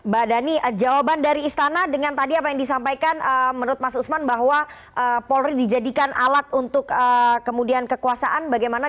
mbak dhani jawaban dari istana dengan tadi apa yang disampaikan menurut mas usman bahwa polri dijadikan alat untuk kemudian kekuasaan bagaimana